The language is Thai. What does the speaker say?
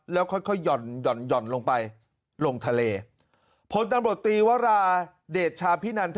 แล้วค่อยหย่อนหย่อนหย่อนลงไปลงทะเลโผนท์ต่างประวัติตรีวาลาเดชาพินัน